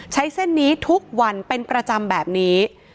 ใช้เส้นนี้ทุกวันเป็นประจำแบบนี้